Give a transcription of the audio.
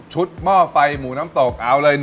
ชุดหม้อไฟหมูน้ำตก